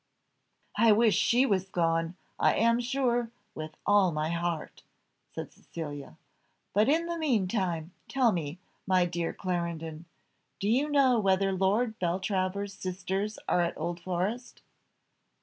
"I wish she was gone, I am sure, with all my heart," said Cecilia; "but in the mean time, tell me, my dear Clarendon, do you know whether Lord Beltravers' sisters are at Old Forest?"